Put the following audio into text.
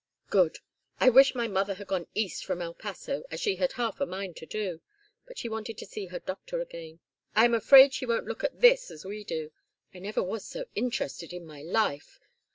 "Good. I wish my mother had gone east from El Paso, as she had half a mind to do. But she wanted to see her doctor again. I am afraid she won't look at this as we do. I never was so interested in my life.